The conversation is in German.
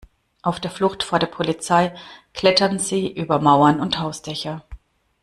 Auf der Flucht vor der Polizei klettern sie über Mauern und Hausdächer.